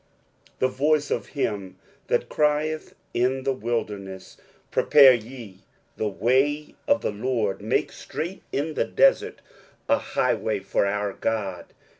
23:040:003 The voice of him that crieth in the wilderness, Prepare ye the way of the LORD, make straight in the desert a highway for our God.